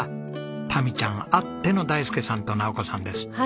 タミちゃんあっての大介さんと尚子さんです。